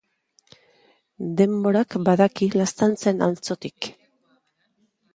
Denborak badaki laztantzen altzotik.